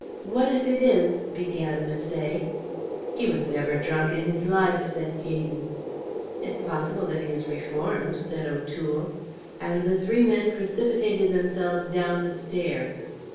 "What if it is?" began Misset. "He was never drunk in his life," said Gaydon. "It's possible that he has reformed," said O'Toole; and the three men precipitated themselves down the stairs.